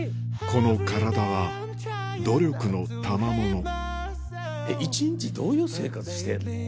この体は努力のたまもの一日どういう生活してんの？